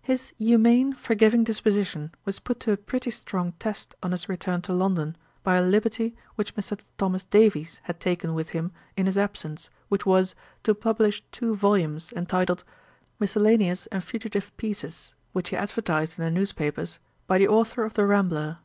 His humane forgiving disposition was put to a pretty strong test on his return to London, by a liberty which Mr. Thomas Davies had taken with him in his absence, which was, to publish two volumes, entitled, Miscellaneous and fugitive Pieces, which he advertised in the news papers, 'By the Authour of the Rambler.'